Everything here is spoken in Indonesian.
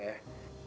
sms gak ya